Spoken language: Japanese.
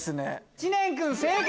知念君正解！